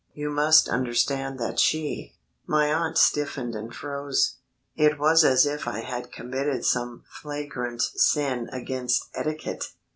You must understand that she...." My aunt stiffened and froze. It was as if I had committed some flagrant sin against etiquette.